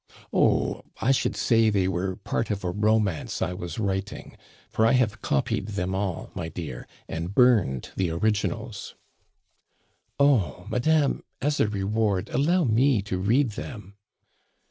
"Oh! I should say they were part of a romance I was writing; for I have copied them all, my dear, and burned the originals." "Oh, madame, as a reward allow me to read them."